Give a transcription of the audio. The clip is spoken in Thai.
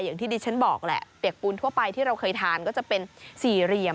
อย่างที่ดิฉันบอกแหละเปียกปูนทั่วไปที่เราเคยทานก็จะเป็นสี่เหลี่ยม